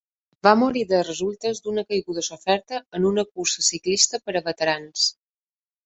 Va morir de resultes d'una caiguda soferta en una cursa ciclista per a veterans.